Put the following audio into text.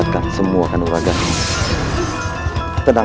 tenang nyai tenang